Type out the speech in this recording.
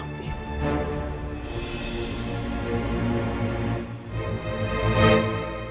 jangan bunuh afif